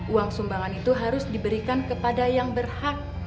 uang sumbangan itu harus diberikan kepada yang berhak